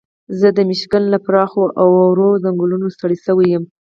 زه د میشیګن له پراخو اوارو ځنګلونو ستړی شوی یم.